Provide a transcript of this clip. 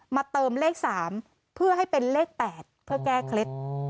เติมเลข๓เพื่อให้เป็นเลข๘เพื่อแก้เคล็ด